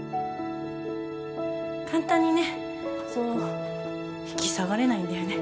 簡単にねそう引き下がれないんだよね。